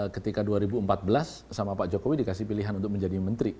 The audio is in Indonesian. ketika dua ribu empat belas sama pak jokowi dikasih pilihan untuk menjadi menteri